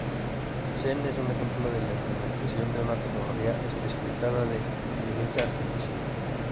Zen es un ejemplo de la implementación de una tecnología especializada de inteligencia artificial.